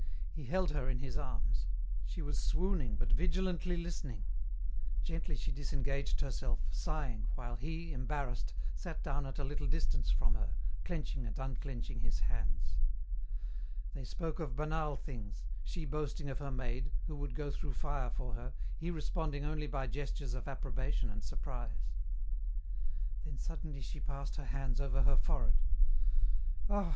He held her in his arms. She was swooning but vigilantly listening. Gently she disengaged herself, sighing, while he, embarrassed, sat down at a little distance from her, clenching and unclenching his hands. They spoke of banal things: she boasting of her maid, who would go through fire for her, he responding only by gestures of approbation and surprise. Then suddenly she passed her hands over her forehead. "Ah!"